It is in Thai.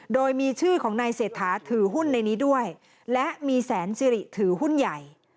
โดยมีชื่อของนายเศรษฐาถือหุ้นในนี้ด้วยและมีแสนสิริถือหุ้นใหญ่